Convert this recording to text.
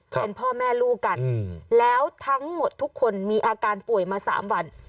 เป็นพ่อแม่ลูกกันแล้วทั้งหมดทุกคนมีอาการป่วยมา๓วัน